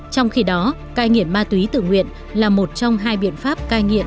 trong khi đó cai nghiện ma túy tự nguyện là một trong hai biện pháp cai nghiện